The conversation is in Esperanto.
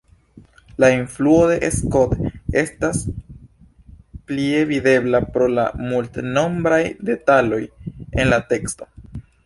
La influo de Scott estas plie videbla pro la multnombraj detaloj en la teksto.